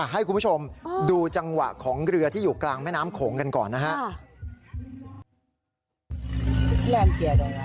ให้คุณผู้ชมดูจังหวะของเรือที่อยู่กลางแม่น้ำโขงกันก่อนนะครับ